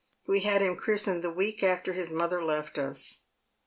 We had him christened the week after his mother left us.'